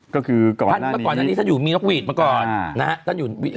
เมื่อก่อนอันนี้ท่านอยู่มีนกหวีดเมื่อก่อนนะฮะ